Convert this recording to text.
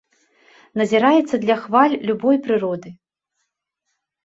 Назіраецца для хваль любой прыроды.